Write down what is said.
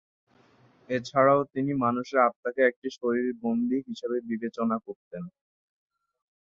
এছাড়াও তিনি মানুষের আত্মাকে একটি শরীরে 'বন্দী' হিসেবে বিবেচনা করতেন।